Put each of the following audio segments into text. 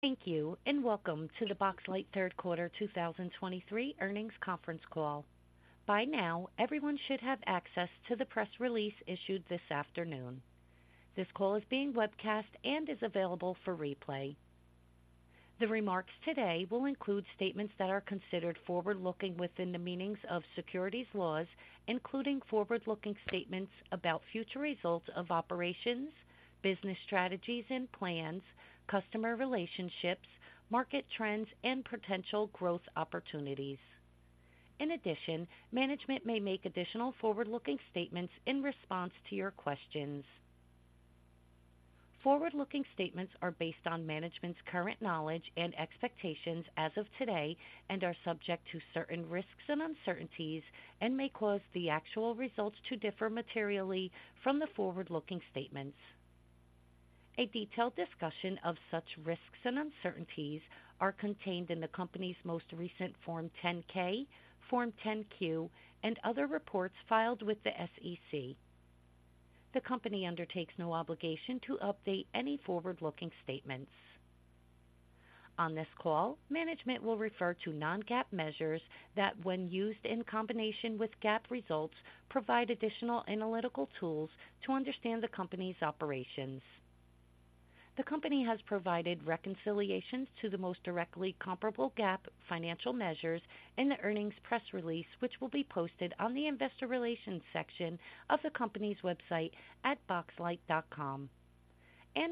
Thank you, and welcome to the Boxlight third quarter 2023 earnings conference call. By now, everyone should have access to the press release issued this afternoon. This call is being webcast and is available for replay. The remarks today will include statements that are considered forward-looking within the meanings of securities laws, including forward-looking statements about future results of operations, business strategies and plans, customer relationships, market trends, and potential growth opportunities. In addition, management may make additional forward-looking statements in response to your questions. Forward-looking statements are based on management's current knowledge and expectations as of today and are subject to certain risks and uncertainties and may cause the actual results to differ materially from the forward-looking statements. A detailed discussion of such risks and uncertainties are contained in the company's most recent Form 10-K, Form 10-Q, and other reports filed with the SEC. The company undertakes no obligation to update any forward-looking statements. On this call, management will refer to non-GAAP measures that, when used in combination with GAAP results, provide additional analytical tools to understand the company's operations. The company has provided reconciliations to the most directly comparable GAAP financial measures in the earnings press release, which will be posted on the investor relations section of the company's website at boxlight.com.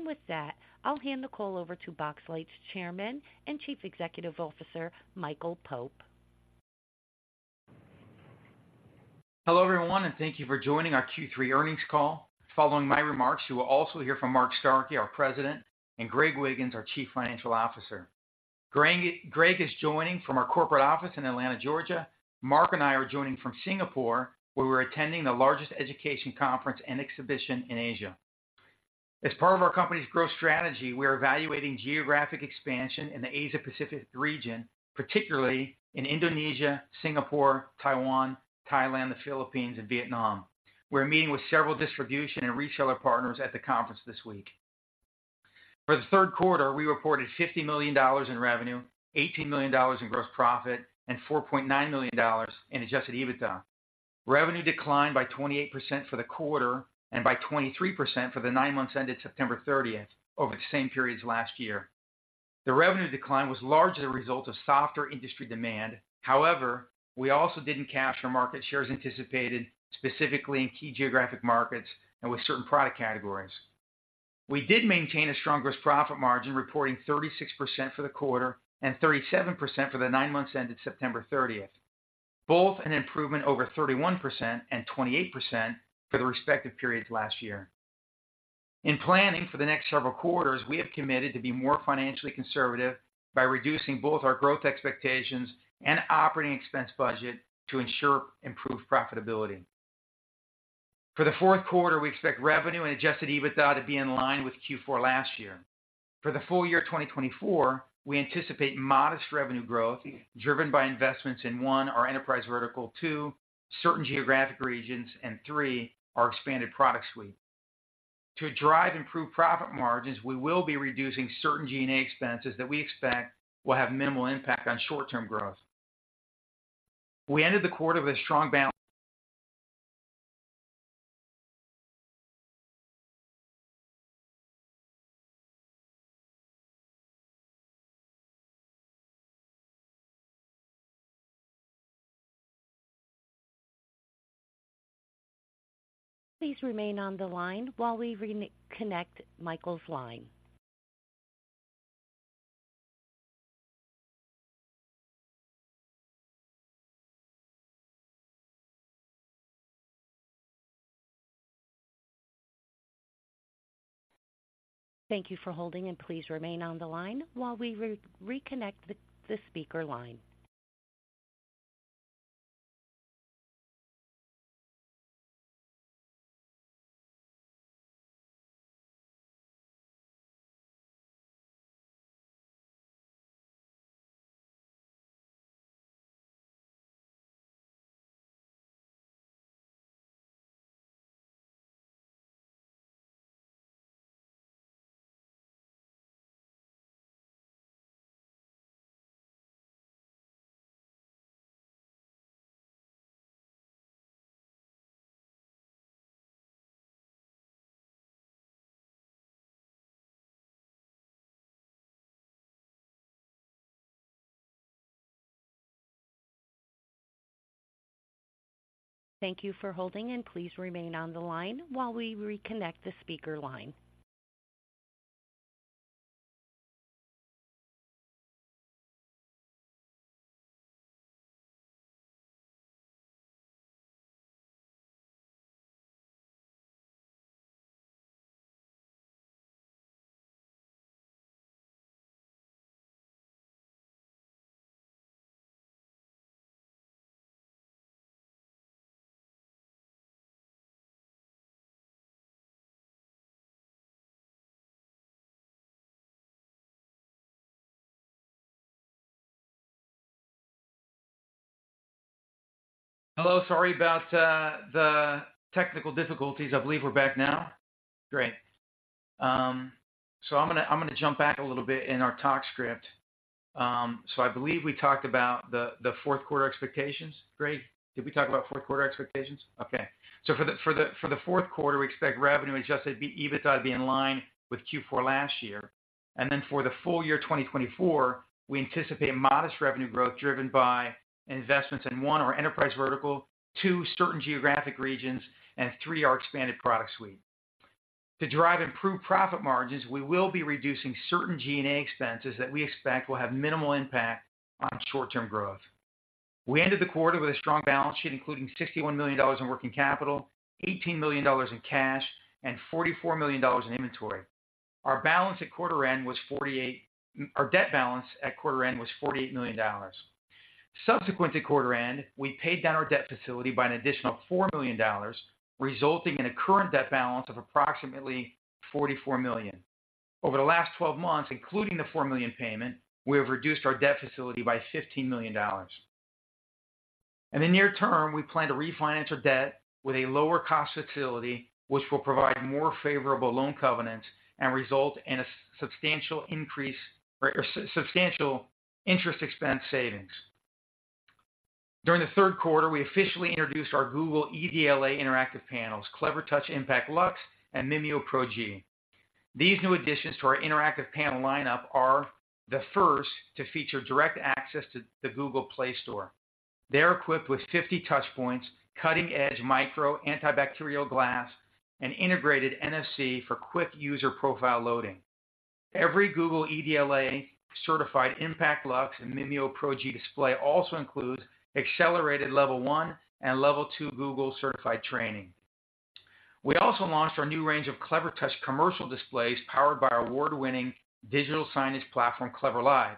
With that, I'll hand the call over to Boxlight's Chairman and Chief Executive Officer, Michael Pope. Hello, everyone, and thank you for joining our Q3 earnings call. Following my remarks, you will also hear from Mark Starkey, our President, and Greg Wiggins, our Chief Financial Officer. Greg is joining from our corporate office in Atlanta, Georgia. Mark and I are joining from Singapore, where we're attending the largest education conference and exhibition in Asia. As part of our company's growth strategy, we are evaluating geographic expansion in the Asia-Pacific region, particularly in Indonesia, Singapore, Taiwan, Thailand, the Philippines, and Vietnam. We're meeting with several distribution and reseller partners at the conference this week. For the third quarter, we reported $50 million in revenue, $18 million in gross profit, and $4.9 million in adjusted EBITDA. Revenue declined by 28% for the quarter and by 23% for the nine months ended September 30th over the same periods last year. The revenue decline was largely a result of softer industry demand. However, we also didn't capture market shares anticipated, specifically in key geographic markets and with certain product categories. We did maintain a strong gross profit margin, reporting 36% for the quarter and 37% for the nine months ended September 30th, both an improvement over 31% and 28% for the respective periods last year. In planning for the next several quarters, we have committed to be more financially conservative by reducing both our growth expectations and operating expense budget to ensure improved profitability. For the fourth quarter, we expect revenue and adjusted EBITDA to be in line with Q4 last year. For the full year 2024, we anticipate modest revenue growth driven by investments in, one, our enterprise vertical, two, certain geographic regions, and three, our expanded product suite. To drive improved profit margins, we will be reducing certain G&A expenses that we expect will have minimal impact on short-term growth. We ended the quarter with a strong balance- Please remain on the line while we re-connect Michael's line. Thank you for holding, and please remain on the line while we re-connect the speaker line. Thank you for holding, and please remain on the line while we reconnect the speaker line. ... Hello, sorry about the technical difficulties. I believe we're back now. Great. So I'm gonna jump back a little bit in our talk script. So I believe we talked about the fourth quarter expectations. Great. Did we talk about fourth quarter expectations? Okay. So for the fourth quarter, we expect revenue adjusted EBITDA to be in line with Q4 last year. And then for the full year, 2024, we anticipate a modest revenue growth driven by investments in, one, our enterprise vertical, two, certain geographic regions, and three, our expanded product suite. To drive improved profit margins, we will be reducing certain G&A expenses that we expect will have minimal impact on short-term growth. We ended the quarter with a strong balance sheet, including $61 million in working capital, $18 million in cash, and $44 million in inventory. Our debt balance at quarter end was $48 million. Subsequent to quarter end, we paid down our debt facility by an additional $4 million, resulting in a current debt balance of approximately $44 million. Over the last 12 months, including the $4 million payment, we have reduced our debt facility by $15 million. In the near term, we plan to refinance our debt with a lower-cost facility, which will provide more favorable loan covenants and result in substantial interest expense savings. During the third quarter, we officially introduced our Google EDLA interactive panels, Clevertouch IMPACT Lux, and MimioPro G. These new additions to our interactive panel lineup are the first to feature direct access to the Google Play Store. They're equipped with 50 touch points, cutting-edge micro antibacterial glass, and integrated NFC for quick user profile loading. Every Google EDLA-certified IMPACT Lux and MimioPro G display also includes accelerated level one and level two Google-certified training. We also launched our new range of Clevertouch commercial displays, powered by our award-winning digital signage platform, CleverLive.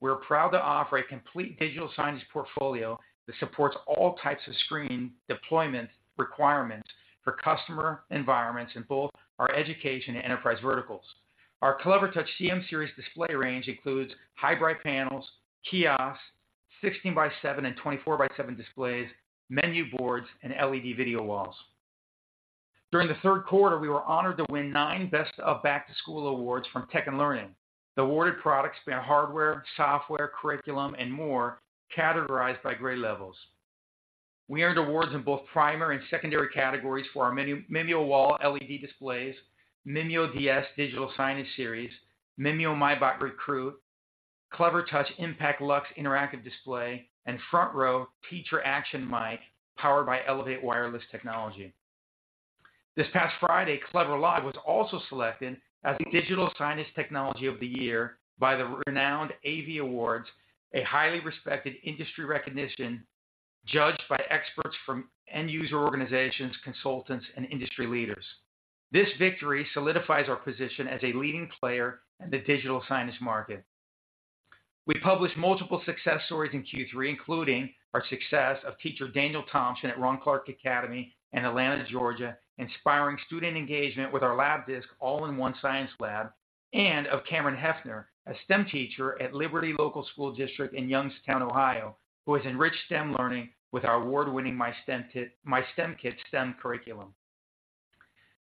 We're proud to offer a complete digital signage portfolio that supports all types of screen deployment requirements for customer environments in both our education and enterprise verticals. Our Clevertouch CM series display range includes high-bright panels, kiosks, 16-by-7 and 24-by-7 displays, menu boards, and LED video walls. During the third quarter, we were honored to win 9 Best of Back to School awards from Tech & Learning. The awarded products span hardware, software, curriculum, and more, categorized by grade levels. We earned awards in both primary and secondary categories for our Mimio, MimioWall LED displays, MimioDS Digital Signage Series, Mimio MyBot Recruit, Clevertouch IMPACT Lux Interactive Display, and FrontRow Teacher ActionMic, powered by Elevate Wireless Technology. This past Friday, CleverLive was also selected as the Digital Signage Technology of the Year by the renowned AV Awards, a highly respected industry recognition judged by experts from end-user organizations, consultants, and industry leaders. This victory solidifies our position as a leading player in the digital signage market. We published multiple success stories in Q3, including our success of teacher Daniel Thompson at Ron Clark Academy in Atlanta, Georgia, inspiring student engagement with our Labdisc All-in-One Science Lab, and of Cameron Hefner, a STEM teacher at Liberty Local School District in Youngstown, Ohio, who has enriched STEM learning with our award-winning MyStemKit, MyStemKit STEM curriculum.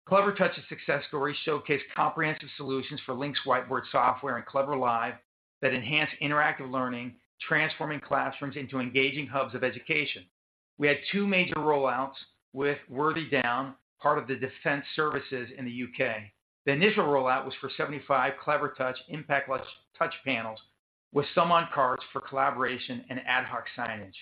Clevertouch's success stories showcase comprehensive solutions for LYNX Whiteboard software and CleverLive that enhance interactive learning, transforming classrooms into engaging hubs of education. We had two major rollouts with Worthy Down, part of the defense services in the U.K. The initial rollout was for 75 Clevertouch Impact Light touch panels, with some on carts for collaboration and ad hoc signage.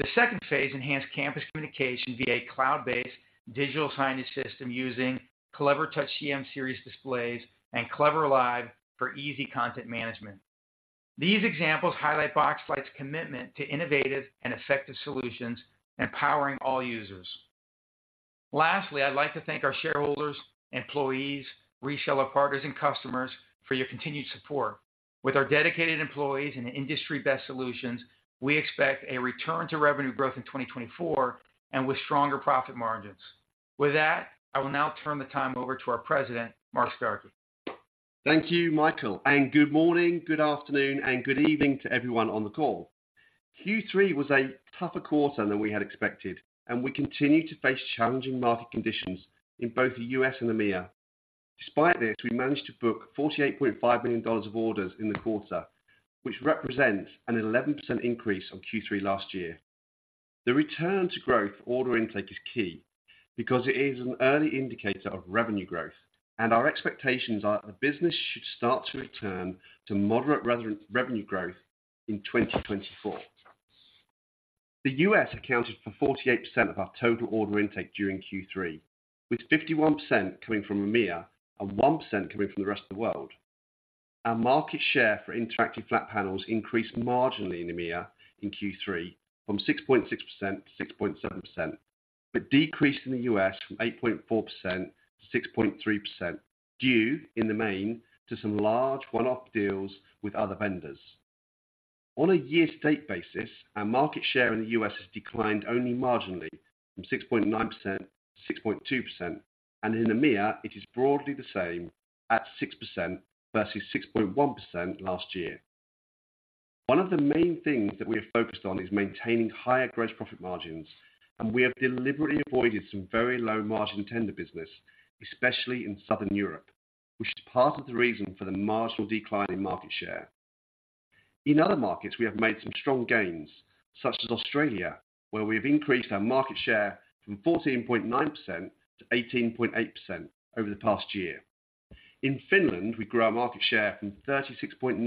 The second phase enhanced campus communication via a cloud-based digital signage system using Clevertouch CM series displays and CleverLive for easy content management. These examples highlight Boxlight's commitment to innovative and effective solutions, empowering all users. Lastly, I'd like to thank our shareholders, employees, reseller partners, and customers for your continued support. With our dedicated employees and industry-best solutions, we expect a return to revenue growth in 2024 and with stronger profit margins. With that, I will now turn the time over to our President, Mark Starkey. Thank you, Michael, and good morning, good afternoon, and good evening to everyone on the call. Q3 was a tougher quarter than we had expected, and we continue to face challenging market conditions in both the U.S. and EMEA. Despite this, we managed to book $48.5 million of orders in the quarter, which represents an 11% increase on Q3 last year. The return to growth order intake is key because it is an early indicator of revenue growth, and our expectations are that the business should start to return to moderate revenue growth in 2024. The U.S. accounted for 48% of our total order intake during Q3, with 51% coming from EMEA and 1% coming from the rest of the world. Our market share for interactive flat panels increased marginally in EMEA in Q3, from 6.6% to 6.7%, but decreased in the U.S. from 8.4% to 6.3%, due in the main to some large one-off deals with other vendors. On a year-to-date basis, our market share in the U.S. has declined only marginally, from 6.9% to 6.2%, and in EMEA, it is broadly the same at 6% versus 6.1% last year. One of the main things that we are focused on is maintaining higher gross profit margins, and we have deliberately avoided some very low margin tender business, especially in Southern Europe, which is part of the reason for the marginal decline in market share. In other markets, we have made some strong gains, such as Australia, where we have increased our market share from 14.9% to 18.8% over the past year. In Finland, we grew our market share from 36.9%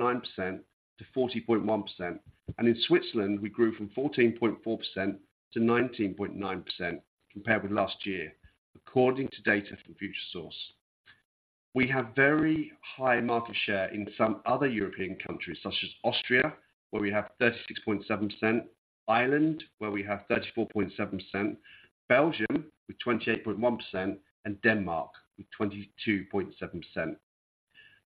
to 40.1%, and in Switzerland, we grew from 14.4% to 19.9% compared with last year, according to data from Futuresource. We have very high market share in some other European countries, such as Austria, where we have 36.7%, Ireland, where we have 34.7%, Belgium with 28.1%, and Denmark with 22.7%.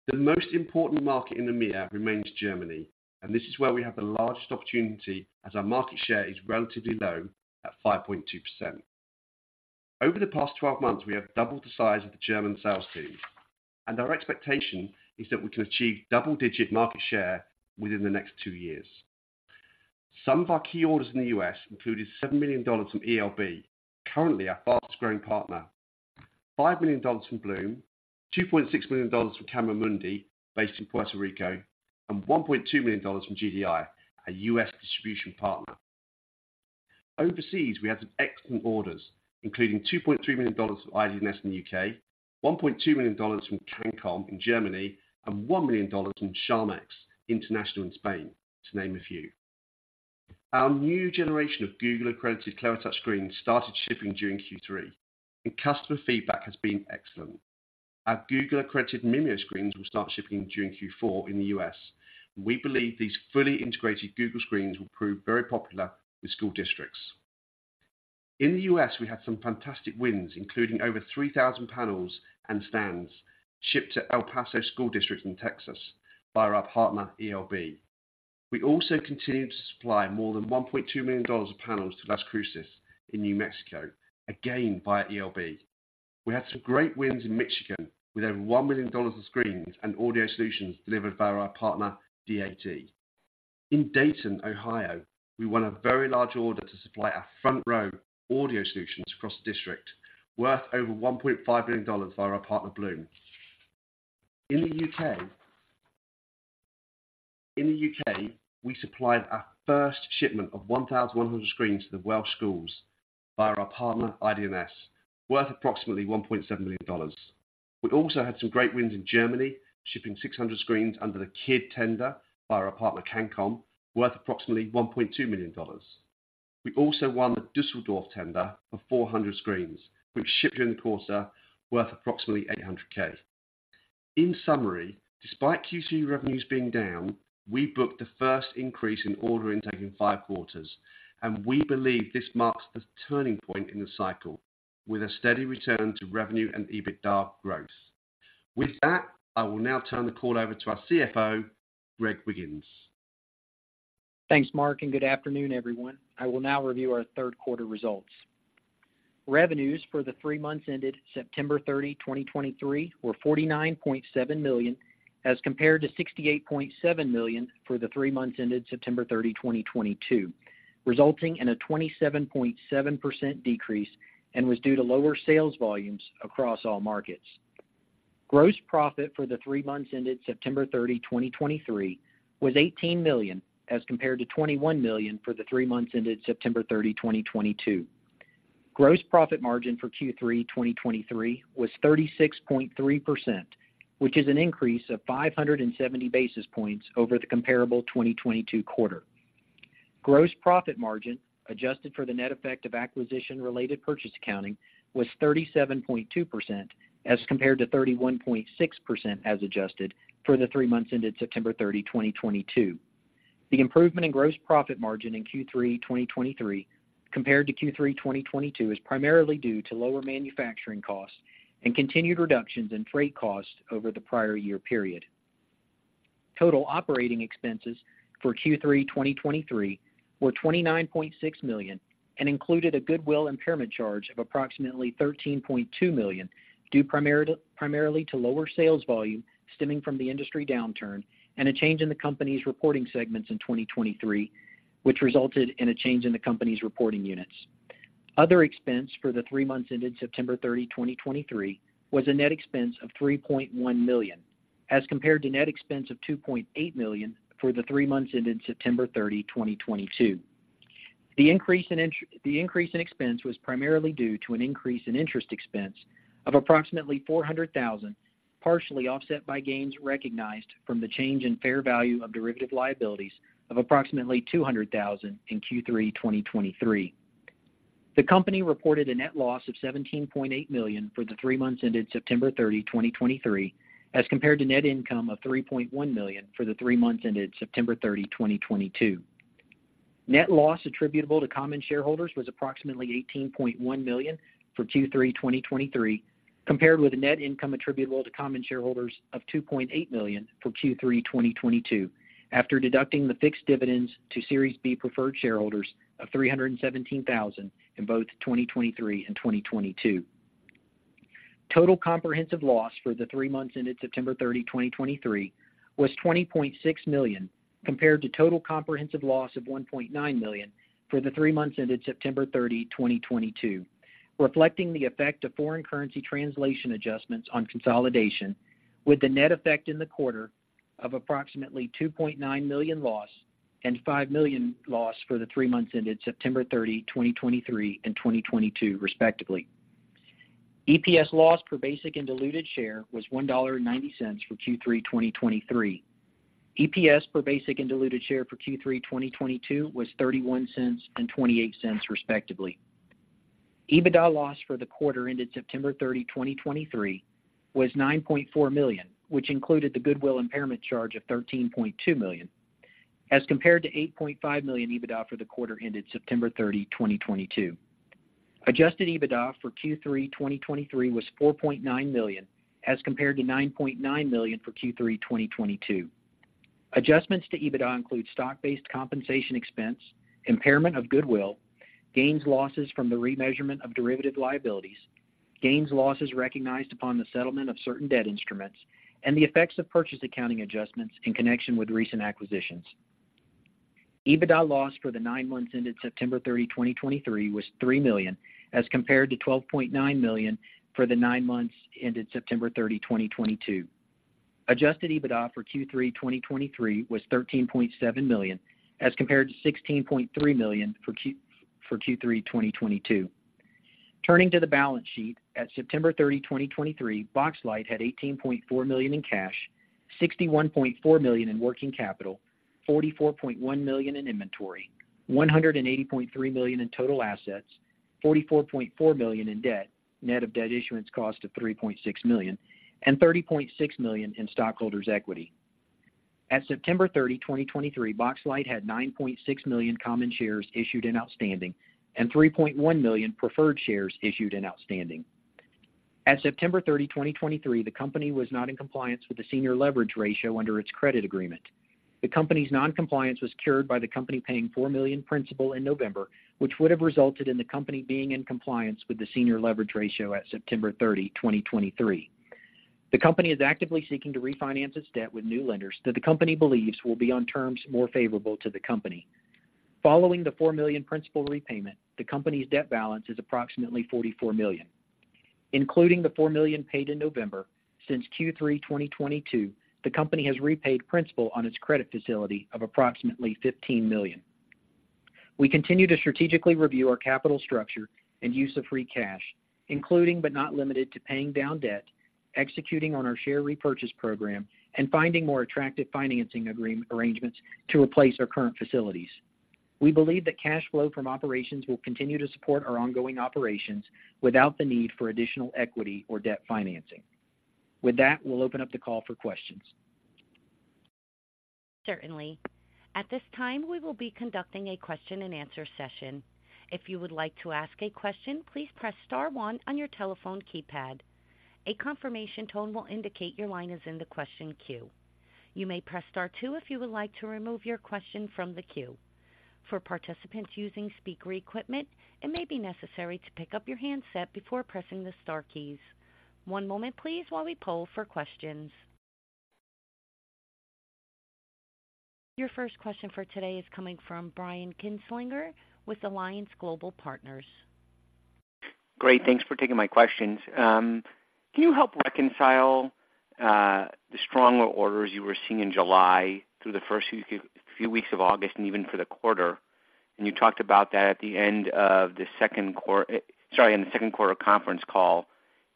The most important market in EMEA remains Germany, and this is where we have the largest opportunity as our market share is relatively low at 5.2%. Over the past 12 months, we have doubled the size of the German sales team, and our expectation is that we can achieve double-digit market share within the next two years. Some of our key orders in the U.S. included $7 million from ELB, currently our fastest-growing partner, $5 million from Bluum, $2.6 million from Camara Mundi, based in Puerto Rico, and $1.2 million from GDI, a U.S. distribution partner. Overseas, we had some excellent orders, including $2.3 million from IDNS in the U.K., $1.2 million from Cancom in Germany, and $1 million from Charmex International in Spain, to name a few. Our new generation of Google-accredited Clevertouch screens started shipping during Q3, and customer feedback has been excellent. Our Google-accredited Mimio screens will start shipping during Q4 in the U.S. We believe these fully integrated Google screens will prove very popular with school districts. In the U.S., we had some fantastic wins, including over 3,000 panels and stands shipped to El Paso School District in Texas by our partner, ELB. We also continued to supply more than $1.2 million of panels to Las Cruces, New Mexico, again, by ELB. We had some great wins in Michigan, with over $1 million of screens and audio solutions delivered by our partner, DAT. In Dayton, Ohio, we won a very large order to supply our FrontRow audio solutions across the district, worth over $1.5 million via our partner, Bluum. In the U.K., we supplied our first shipment of 1,100 screens to the Welsh schools via our partner, IDNS, worth approximately $1.7 million. We also had some great wins in Germany, shipping 600 screens under the KID tender via our partner, Cancom, worth approximately $1.2 million. We also won the Düsseldorf tender of 400 screens, which shipped during the quarter, worth approximately $800,000. In summary, despite Q2 revenues being down, we booked the first increase in order intake in five quarters, and we believe this marks a turning point in the cycle with a steady return to revenue and EBITDA growth. With that, I will now turn the call over to our CFO, Greg Wiggins. Thanks, Mark, and good afternoon, everyone. I will now review our third quarter results. Revenues for the three months ended September 30, 2023, were $49.7 million, as compared to $68.7 million for the three months ended September 30, 2022, resulting in a 27.7% decrease and was due to lower sales volumes across all markets. Gross profit for the three months ended September 30, 2023, was $18 million, as compared to $21 million for the three months ended September 30, 2022. Gross profit margin for Q3 2023 was 36.3%, which is an increase of 570 basis points over the comparable 2022 quarter. Gross profit margin, adjusted for the net effect of acquisition-related purchase accounting, was 37.2%, as compared to 31.6%, as adjusted, for the three months ended September 30, 2022. The improvement in gross profit margin in Q3 2023 compared to Q3 2022, is primarily due to lower manufacturing costs and continued reductions in freight costs over the prior year period. Total operating expenses for Q3 2023 were $29.6 million and included a goodwill impairment charge of approximately $13.2 million, due primarily to lower sales volume stemming from the industry downturn and a change in the company's reporting segments in 2023, which resulted in a change in the company's reporting units. Other expense for the three months ended September 30, 2023, was a net expense of $3.1 million, as compared to net expense of $2.8 million for the three months ended September 30, 2022. The increase in expense was primarily due to an increase in interest expense of approximately $400,000, partially offset by gains recognized from the change in fair value of derivative liabilities of approximately $200,000 in Q3 2023. The company reported a net loss of $17.8 million for the three months ended September 30, 2023, as compared to net income of $3.1 million for the three months ended September 30, 2022. Net loss attributable to common shareholders was approximately $18.1 million for Q3 2023, compared with a net income attributable to common shareholders of $2.8 million for Q3 2022, after deducting the fixed dividends to Series B preferred shareholders of $317,000 in both 2023 and 2022. Total comprehensive loss for the three months ended September 30, 2023, was $20.6 million, compared to total comprehensive loss of $1.9 million for the three months ended September 30, 2022, reflecting the effect of foreign currency translation adjustments on consolidation, with the net effect in the quarter of approximately $2.9 million loss and $5 million loss for the three months ended September 30, 2023 and 2022, respectively. EPS loss per basic and diluted share was $1.90 for Q3 2023. EPS per basic and diluted share for Q3, 2022, was $0.31 and $0.28, respectively. EBITDA loss for the quarter ended September 30, 2023, was $9.4 million, which included the goodwill impairment charge of $13.2 million, as compared to $8.5 million EBITDA for the quarter ended September 30, 2022. Adjusted EBITDA for Q3, 2023, was $4.9 million, as compared to $9.9 million for Q3, 2022. Adjustments to EBITDA include stock-based compensation expense, impairment of goodwill, gains and losses from the remeasurement of derivative liabilities, gains and losses recognized upon the settlement of certain debt instruments, and the effects of purchase accounting adjustments in connection with recent acquisitions. EBITDA loss for the nine months ended September 30, 2023, was $3 million, as compared to $12.9 million for the nine months ended September 30, 2022. Adjusted EBITDA for Q3, 2023, was $13.7 million, as compared to $16.3 million for Q3, 2022. Turning to the balance sheet, at September 30, 2023, Boxlight had $18.4 million in cash, $61.4 million in working capital, $44.1 million in inventory, $180.3 million in total assets, $44.4 million in debt, net of debt issuance cost of $3.6 million, and $30.6 million in stockholders' equity. At September 30, 2023, Boxlight had 9.6 million common shares issued and outstanding, and 3.1 million preferred shares issued and outstanding. At September 30, 2023, the company was not in compliance with the senior leverage ratio under its credit agreement. The company's non-compliance was cured by the company paying $4 million principal in November, which would have resulted in the company being in compliance with the senior leverage ratio at September 30, 2023. The company is actively seeking to refinance its debt with new lenders that the company believes will be on terms more favorable to the company. Following the $4 million principal repayment, the company's debt balance is approximately $44 million. Including the $4 million paid in November, since Q3 2022, the company has repaid principal on its credit facility of approximately $15 million. We continue to strategically review our capital structure and use of free cash, including but not limited to, paying down debt, executing on our share repurchase program, and finding more attractive financing arrangements to replace our current facilities. We believe that cash flow from operations will continue to support our ongoing operations without the need for additional equity or debt financing. With that, we'll open up the call for questions. Certainly. At this time, we will be conducting a question-and-answer session. If you would like to ask a question, please press star one on your telephone keypad. A confirmation tone will indicate your line is in the question queue. You may press star two if you would like to remove your question from the queue. For participants using speaker equipment, it may be necessary to pick up your handset before pressing the star keys. One moment please, while we poll for questions. Your first question for today is coming from Brian Kinstlinger with Alliance Global Partners. Great, thanks for taking my questions. Can you help reconcile the stronger orders you were seeing in July through the first few, few weeks of August and even for the quarter? You talked about that at the end of the second quarter conference call.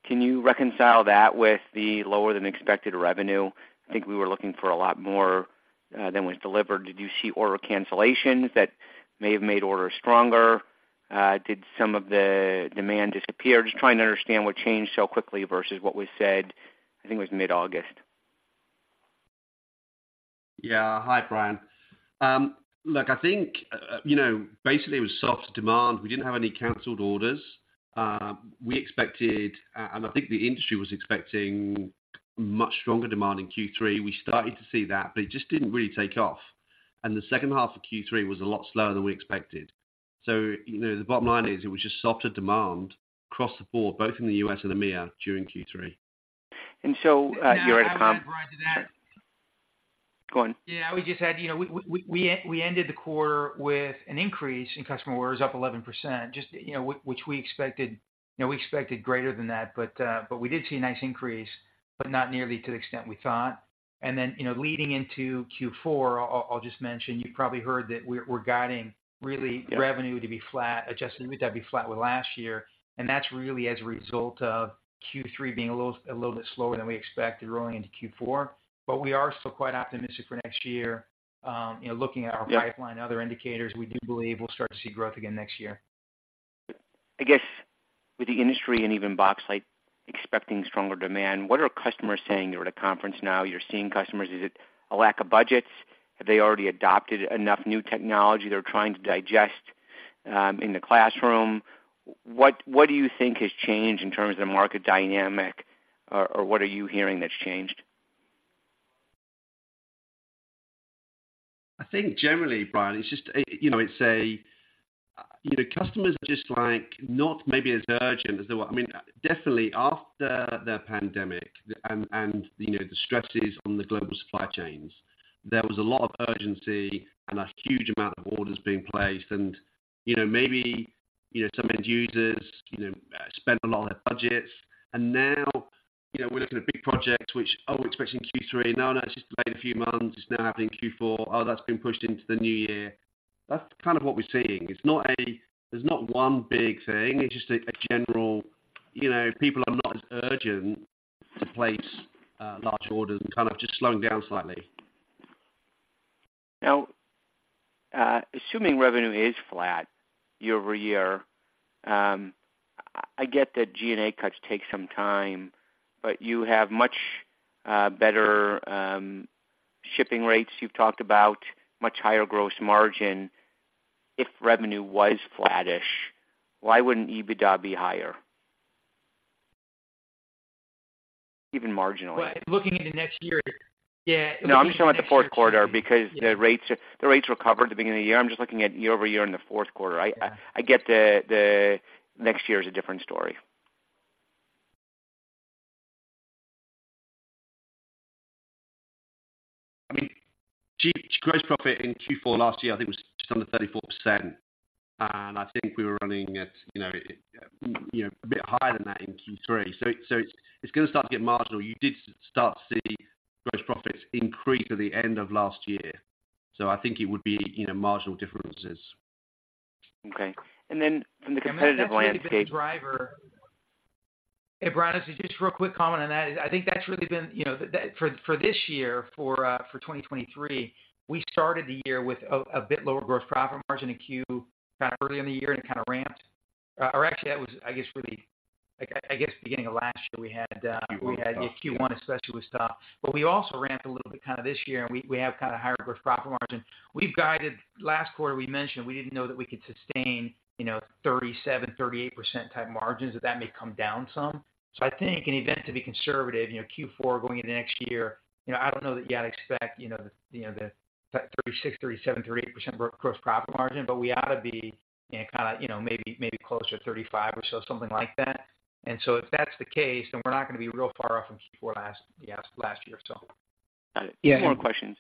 Can you reconcile that with the lower-than-expected revenue? I think we were looking for a lot more than was delivered. Did you see order cancellations that may have made orders stronger? Did some of the demand disappear? Just trying to understand what changed so quickly versus what was said, I think it was mid-August. Yeah. Hi, Brian. Look, I think, you know, basically it was softer demand. We didn't have any canceled orders. We expected, and I think the industry was expecting much stronger demand in Q3. We started to see that, but it just didn't really take off, and the second half of Q3 was a lot slower than we expected. So, you know, the bottom line is, it was just softer demand across the board, both in the U.S. and EMEA during Q3. And so, you're at a time- Yeah, I would add to that. Go on. Yeah, we just had, you know, we ended the quarter with an increase in customer orders, up 11%, just, you know, which we expected, you know, we expected greater than that, but, but we did see a nice increase, but not nearly to the extent we thought. And then, you know, leading into Q4, I'll just mention, you probably heard that we're guiding really- Yeah Revenue to be flat, adjusted revenue to be flat with last year. That's really as a result of Q3 being a little bit slower than we expected rolling into Q4. But we are still quite optimistic for next year. You know, looking at our- Yeah Pipeline and other indicators, we do believe we'll start to see growth again next year. I guess with the industry and even Boxlight expecting stronger demand, what are customers saying? You're at a conference now. You're seeing customers. Is it a lack of budgets? Have they already adopted enough new technology they're trying to digest, in the classroom? What do you think has changed in terms of the market dynamic, or what are you hearing that's changed?... I think generally, Brian, it's just, you know, it's a, you know, customers just like, not maybe as urgent as they were. I mean, definitely after the pandemic and, you know, the stresses on the global supply chains, there was a lot of urgency and a huge amount of orders being placed. And, you know, maybe, you know, some end users, you know, spent a lot of their budgets. And now, you know, we're looking at big projects which, oh, we're expecting Q3. No, no, it's just delayed a few months. It's now happening in Q4. Oh, that's been pushed into the new year. That's kind of what we're seeing. It's not a-- there's not one big thing. It's just a general, you know, people are not as urgent to place large orders and kind of just slowing down slightly. Now, assuming revenue is flat year-over-year, I get that G&A cuts take some time, but you have much better shipping rates. You've talked about much higher gross margin. If revenue was flattish, why wouldn't EBITDA be higher? Even marginally. But looking into next year, yeah- No, I'm just talking about the fourth quarter because the rates recovered at the beginning of the year. I'm just looking at year-over-year in the fourth quarter. I get the next year is a different story. I mean, gross profit in Q4 last year, I think, was just under 34%, and I think we were running at, you know, you know, a bit higher than that in Q3. So, it's gonna start to get marginal. You did start to see gross profits increase at the end of last year, so I think it would be, you know, marginal differences. Okay. And then from the competitive landscape- Hey, Brian, just real quick comment on that. I think that's really been, you know, the... For this year, for 2023, we started the year with a bit lower gross profit margin in Q, kind of early in the year, and it kind of ramped. Or actually, that was, I guess, really, I guess beginning of last year, we had- Q1. We had Q1 especially was tough. But we also ramped a little bit kind of this year, and we have kind of higher gross profit margin. We've guided—Last quarter, we mentioned we didn't know that we could sustain, you know, 37%-38% type margins, that may come down some. So I think in event to be conservative, you know, Q4 going into next year, you know, I don't know that you ought to expect, you know, the 36%-38% gross profit margin, but we ought to be, you know, kind of, you know, maybe, maybe closer to 35% or so, something like that. And so if that's the case, then we're not gonna be real far off from Q4 last year, so. Got it. Yeah, two more questions.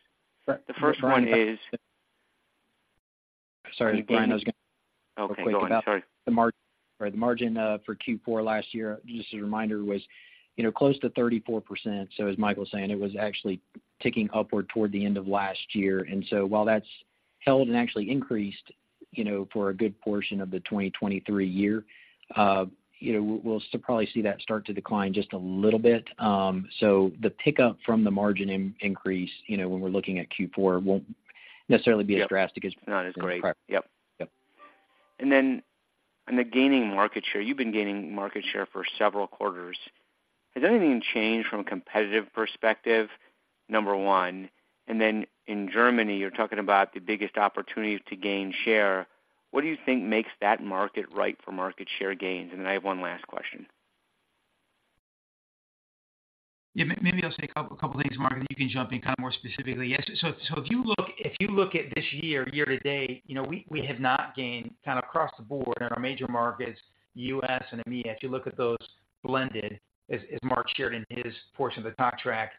The first one is- Sorry, Brian, I was gonna- Okay, go ahead. Sorry. The margin for Q4 last year, just a reminder, was, you know, close to 34%. So as Michael was saying, it was actually ticking upward toward the end of last year. So while that's held and actually increased, you know, for a good portion of the 2023 year, you know, we'll still probably see that start to decline just a little bit. So the pickup from the margin increase, you know, when we're looking at Q4, won't necessarily be as drastic as- Not as great. Yep. Yep. And then on the gaining market share, you've been gaining market share for several quarters. Has anything changed from a competitive perspective, number one? And then in Germany, you're talking about the biggest opportunity to gain share. What do you think makes that market right for market share gains? And then I have one last question. Yeah, maybe I'll say a couple of things, Mark, and you can jump in kind of more specifically. Yes, so if you look at this year, year to date, you know, we have not gained kind of across the board in our major markets, U.S. and EMEA. If you look at those blended, as Mark shared in his portion of the talk track,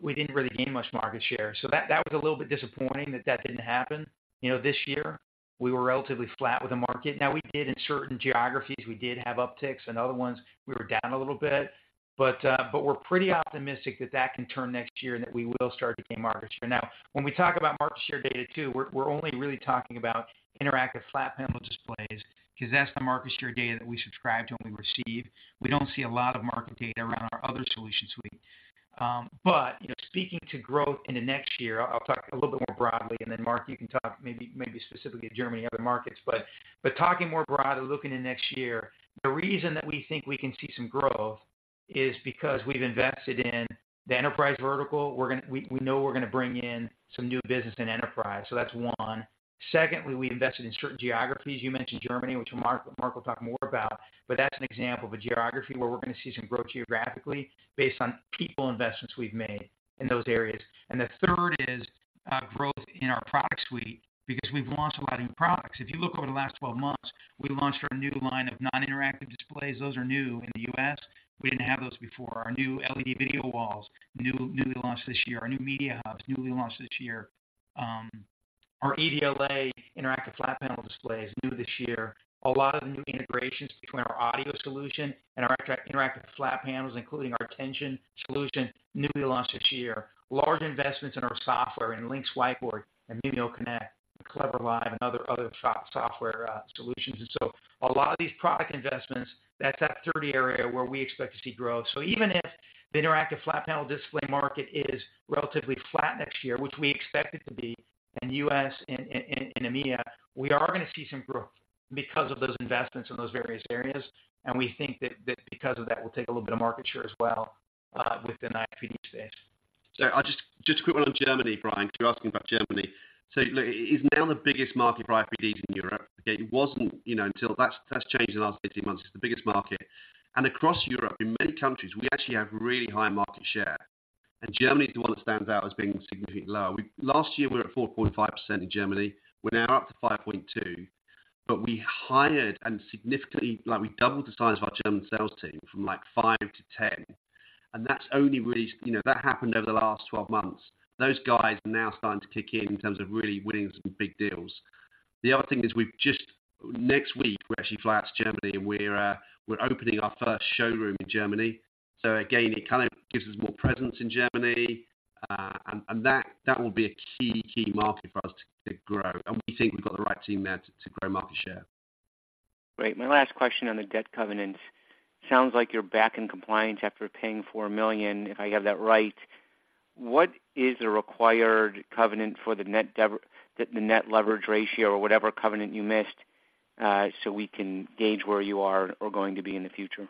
we didn't really gain much market share. So that was a little bit disappointing that that didn't happen. You know, this year, we were relatively flat with the market. Now, we did in certain geographies, we did have upticks, and other ones, we were down a little bit. But we're pretty optimistic that that can turn next year and that we will start to gain market share. Now, when we talk about market share data, too, we're only really talking about interactive flat panel displays, 'cause that's the market share data that we subscribe to and we receive. We don't see a lot of market data around our other solution suite. But you know, speaking to growth in the next year, I'll talk a little bit more broadly, and then, Mark, you can talk maybe specifically of Germany other markets. But talking more broadly, looking to next year, the reason that we think we can see some growth is because we've invested in the enterprise vertical. We're gonna, we know we're gonna bring in some new business and enterprise, so that's one. Secondly, we invested in certain geographies. You mentioned Germany, which Mark, Mark will talk more about, but that's an example of a geography where we're gonna see some growth geographically based on people investments we've made in those areas. The third is growth in our product suite because we've launched a lot of new products. If you look over the last 12 months, we launched our new line of non-interactive displays. Those are new in the U.S. We didn't have those before. Our new LED video walls, newly launched this year. Our new MediaHubs, newly launched this year. Our EDLA interactive flat panel display is new this year. A lot of the new integrations between our audio solution and our interactive flat panels, including our tension solution, newly launched this year. Large investments in our software, in LYNX Whiteboard and MimioConnect, CleverLive, and other software solutions. So a lot of these product investments, that's that 30 area where we expect to see growth. So even if the interactive flat panel display market is relatively flat next year, which we expect it to be in the U.S. and EMEA, we are gonna see some growth because of those investments in those various areas. And we think that because of that, we'll take a little bit of market share as well within the IFPD space. So I'll just quick one on Germany, Brian, because you're asking about Germany. So look, it's now the biggest market for IFPDs in Europe. It wasn't, you know, until that's changed in the last 18 months. It's the biggest market. And across Europe, in many countries, we actually have really high market share, and Germany is the one that stands out as being significantly lower. Last year, we were at 4.5% in Germany. We're now up to 5.2%, but we hired and significantly, like, we doubled the size of our German sales team from, like, 5 to 10. And that's only really, you know, that happened over the last 12 months. Those guys are now starting to kick in, in terms of really winning some big deals. The other thing is we've just next week, we're actually flying out to Germany, and we're opening our first showroom in Germany. So again, it kind of gives us more presence in Germany, and that will be a key market for us to grow. And we think we've got the right team there to grow market share. Great. My last question on the debt covenants. Sounds like you're back in compliance after paying $4 million, if I have that right. What is the required covenant for the net leverage ratio or whatever covenant you missed, so we can gauge where you are or going to be in the future?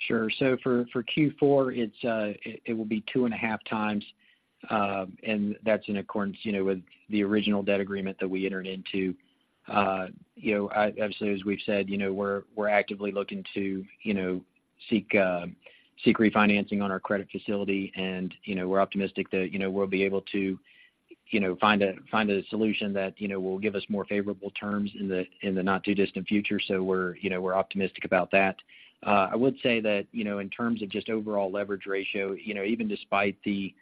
Sure. So for Q4, it will be 2.5x, and that's in accordance, you know, with the original debt agreement that we entered into. Obviously, as we've said, you know, we're actively looking to seek refinancing on our credit facility. And, you know, we're optimistic that, you know, we'll be able to find a solution that, you know, will give us more favorable terms in the not-too-distant future. So we're optimistic about that. I would say that, you know, in terms of just overall leverage ratio, you know, even despite the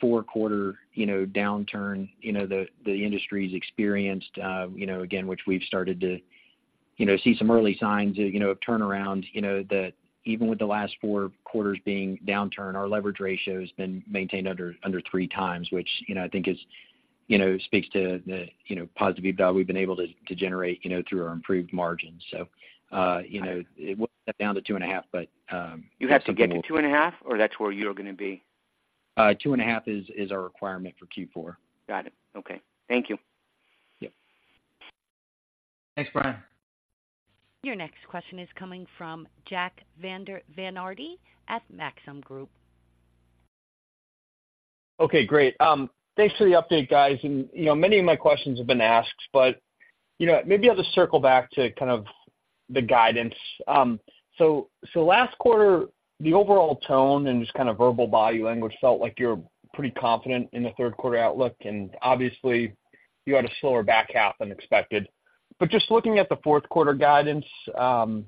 four-quarter downturn, you know, the industry's experienced, again, which we've started to see some early signs, you know, of turnaround. You know, that even with the last 4 quarters being downturn, our leverage ratio has been maintained under 3x, which, you know, I think is you know speaks to the, you know, positive EBITDA we've been able to generate, you know, through our improved margins. So, you know, it went down to 2.5, but- You have to get to 2.5, or that's where you're gonna be? 2.5 is our requirement for Q4. Got it. Okay. Thank you. Yep. Thanks, Brian. Your next question is coming from Jack Vander Aarde at Maxim Group. Okay, great. Thanks for the update, guys. And, you know, many of my questions have been asked, but, you know, maybe I'll just circle back to kind of the guidance. So, so last quarter, the overall tone and just kind of verbal body language felt like you were pretty confident in the third quarter outlook, and obviously, you had a slower back half than expected. But just looking at the fourth quarter guidance, and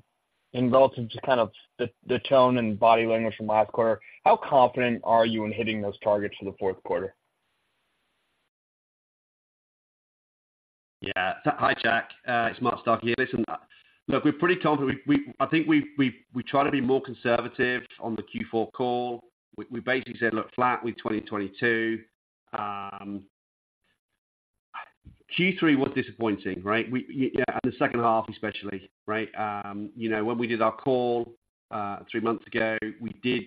relative to kind of the, the tone and body language from last quarter, how confident are you in hitting those targets for the fourth quarter? Yeah. Hi, Jack, it's Mark Starkey here. Listen, look, we're pretty confident. I think we try to be more conservative on the Q4 call. We basically said, look, flat, we're 20-22. Q3 was disappointing, right? Yeah, the second half especially, right? You know, when we did our call three months ago, we did.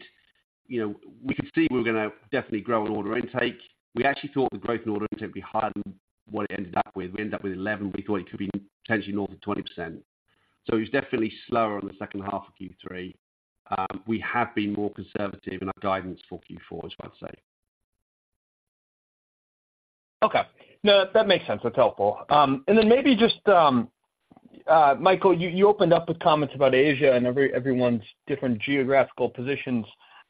You know, we could see we were gonna definitely grow an order intake. We actually thought the growth in order intake would be higher than what it ended up with. We ended up with 11. We thought it could be potentially north of 20%. So it was definitely slower on the second half of Q3. We have been more conservative in our guidance for Q4, as I'd say. Okay. No, that makes sense. That's helpful. And then maybe just, Michael, you opened up with comments about Asia and everyone's different geographical positions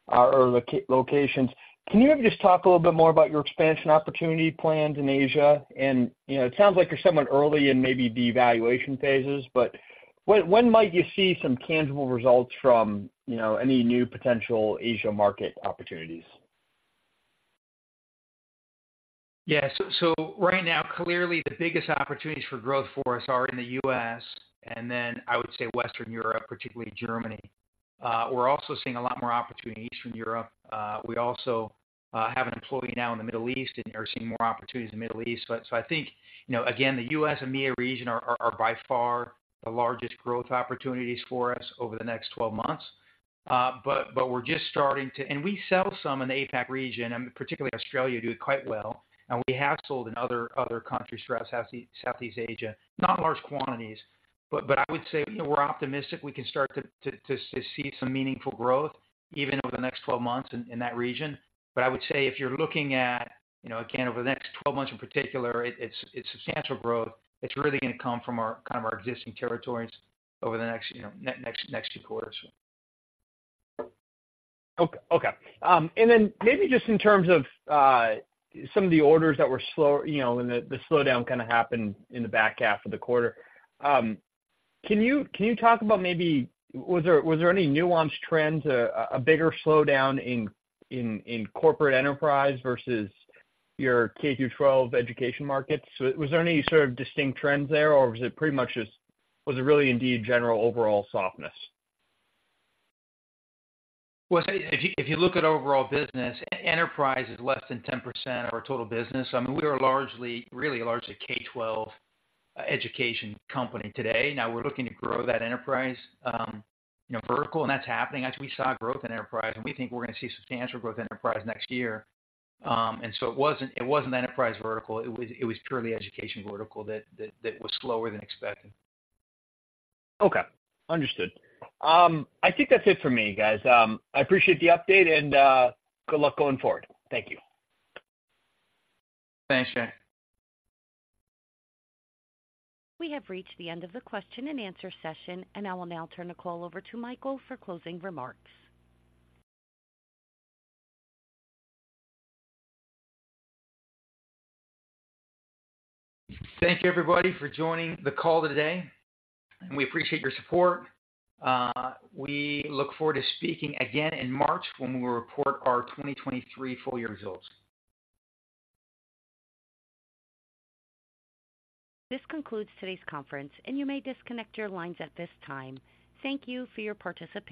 or locations. Can you maybe just talk a little bit more about your expansion opportunity plans in Asia? And, you know, it sounds like you're somewhat early in maybe the evaluation phases, but when might you see some tangible results from, you know, any new potential Asia market opportunities? Yeah. So right now, clearly, the biggest opportunities for growth for us are in the U.S., and then I would say Western Europe, particularly Germany. We're also seeing a lot more opportunity in Eastern Europe. We also have an employee now in the Middle East, and we're seeing more opportunities in the Middle East. But so I think, you know, again, the U.S. and MEA region are by far the largest growth opportunities for us over the next twelve months. But we're just starting to, and we sell some in the APAC region, and particularly Australia, do it quite well. And we have sold in other countries throughout Southeast Asia. Not large quantities, but I would say, you know, we're optimistic we can start to see some meaningful growth even over the next 12 months in that region. But I would say if you're looking at, you know, again, over the next 12 months in particular, it's substantial growth. It's really going to come from our kind of existing territories over the next, you know, next two quarters. Okay. And then maybe just in terms of some of the orders that were slow, you know, and the slowdown kinda happened in the back half of the quarter. Can you talk about maybe... Was there any nuanced trends, a bigger slowdown in corporate enterprise versus your K-12 education markets? So was there any sort of distinct trends there, or was it pretty much just, was it really indeed general overall softness? Well, if you, if you look at overall business, enterprise is less than 10% of our total business. I mean, we are largely, really largely a K-12, education company today. Now, we're looking to grow that enterprise, you know, vertical, and that's happening. Actually, we saw growth in enterprise, and we think we're gonna see substantial growth in enterprise next year. And so it wasn't, it wasn't the enterprise vertical, it was, it was purely education vertical that, that, that was slower than expected. Okay, understood. I think that's it for me, guys. I appreciate the update, and good luck going forward. Thank you. Thanks, Jack. We have reached the end of the question and answer session, and I will now turn the call over to Michael for closing remarks. Thank you, everybody, for joining the call today, and we appreciate your support. We look forward to speaking again in March when we will report our 2023 full year results. This concludes today's conference, and you may disconnect your lines at this time. Thank you for your participation.